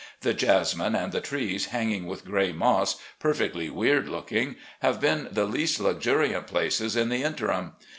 The jasmine and the trees hanging with gray moss — ^perfectly weird looking — ^have been the least luxuriant places in the interim.